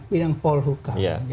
bidang pol hukum